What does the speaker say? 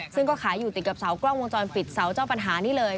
ซึ่งก็ขายอยู่ติดกับเสากล้องวงจรปิดเสาเจ้าปัญหานี่เลย